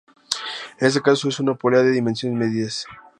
En este caso es una polea de dimensiones medias.